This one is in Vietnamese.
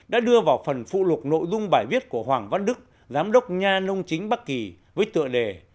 đã đưa vào phần phụ lục nội dung bài viết của hoàng văn đức giám đốc nha nông chính bắc kỳ với tựa đề